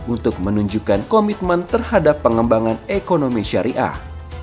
untuk menunjukkan komitmen terhadap pengembangan ekonomi syariah